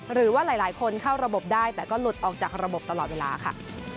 หรือว่าหลายคนเข้าระบบได้แต่ก็หลุดออกจากระบบตลอดเวลาค่ะ